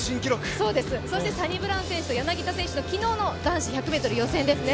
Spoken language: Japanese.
そしてサニブラウン選手と柳田選手と昨日の男子１００ｍ予選ですね。